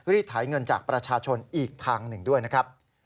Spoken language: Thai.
ถ่ายเงินจากประชาชนอีกทางหนึ่งด้วยนะครับ